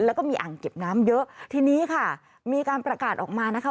แล้วก็มีอ่างเก็บน้ำเยอะทีนี้ค่ะมีการประกาศออกมานะคะ